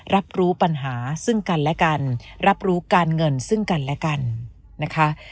รับรู้ปัญหาซึ่งกันและกันรับรู้การเงินซึ่งกันและกันนะคะ